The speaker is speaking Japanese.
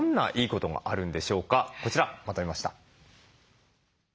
こちらまとめました。